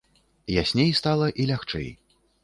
Ясней стала і лягчэй.